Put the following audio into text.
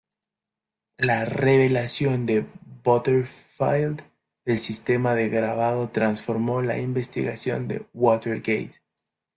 La revelación de Butterfield del sistema de grabado transformó la investigación de Watergate.